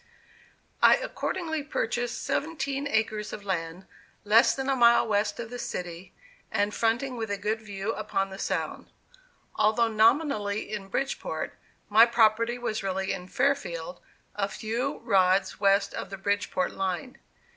I accordingly purchased seventeen acres of land, less than a mile west of the city, and fronting with a good view upon the Sound. Although nominally in Bridgeport, my property was really in Fairfield, a few rods west of the Bridgeport line.